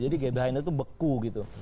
jadi gbhn itu beku gitu